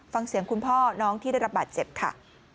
ฟังเสียงคุณพ่อน้องที่ได้รับบาดเจ็บค่ะ